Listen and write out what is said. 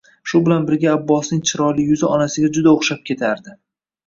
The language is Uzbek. Shu bilan birga Abbosning chiroyli yuzi onasiga juda o`xshab ketardi